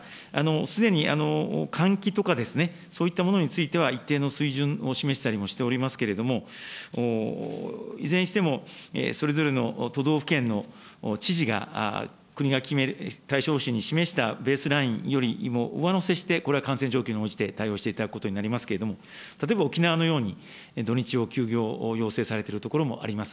すでに換気とか、そういったものについては、一定の水準を示したりもしておりますけれども、いずれにしても、それぞれの都道府県の知事が、国が対処方針に示したベースラインよりも上乗せしてこれは感染状況に応じて対応していただくことになりますけれども、例えば沖縄のように土日を休業要請されている所もあります。